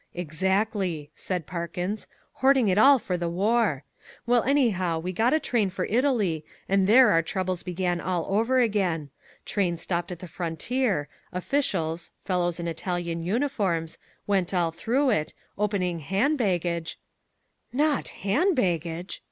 "Exactly," said Parkins, "hoarding it all for the war. Well anyhow we got on a train for Italy and there our troubles began all over again: train stopped at the frontier, officials (fellows in Italian uniforms) went all through it, opening hand baggage " "Not hand baggage!"